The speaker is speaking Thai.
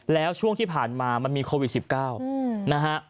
แล้วช่วงที่ผ่านมามันมีโควิด๑๙นะฮะ